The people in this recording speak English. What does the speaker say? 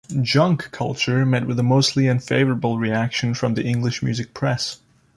"Junk Culture" met with a mostly unfavourable reaction from the English music press.